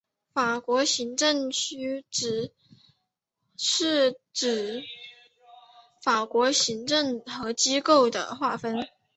法国行政区划是指法国的行政和机构的划分。